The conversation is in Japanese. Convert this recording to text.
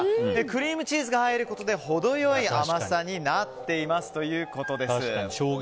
クリームチーズが入ることで程良い甘さになっていますということです。